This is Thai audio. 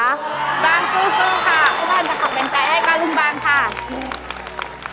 บางสู้ค่ะไอ้ฟันจะขอเป็นใจให้กับลุงบางค่ะ